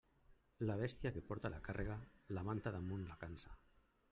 La bèstia que porta la càrrega, la manta damunt la cansa.